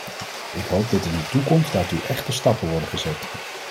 Ik hoop dat in de toekomst daartoe echte stappen worden gezet.